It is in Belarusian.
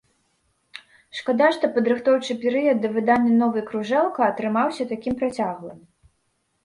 Шкада, што падрыхтоўчы перыяд да выдання новай кружэлка атрымаўся такім працяглым!